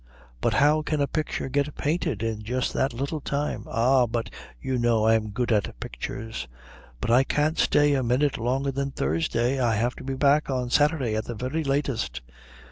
"But how can a picture get painted in just that little time?" "Ah, but you know I'm good at pictures." "But I can't stay a minute longer than Thursday. I have to be back on Saturday at the very latest."